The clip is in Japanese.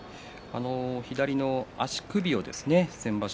左の足首を先場所